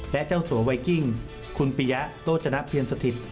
และเจ้าสัวไวกิ้งคุณปียะโตจนเพียรสถิต